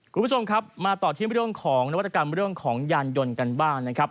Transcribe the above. คุณผู้ชมครับมาต่อที่เรื่องของนวัตกรรมเรื่องของยานยนต์กันบ้างนะครับ